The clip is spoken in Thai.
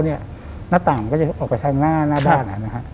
หน้าต่างมันก็จะออกไปทางหน้าหน้าด้าน